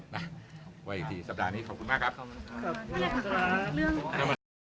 ไว้อีกทีสัปดาห์นี้ขอบคุณมากครับ